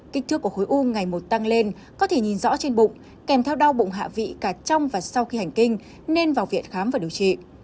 kích thước của khối u ngày một tăng lên có thể nhìn rõ trên bụng kèm theo đau bụng hạ vị cả trong và sau khi hành kinh nên vào viện khám và điều trị